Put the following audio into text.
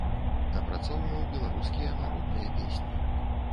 Апрацоўваў беларускія народныя песні.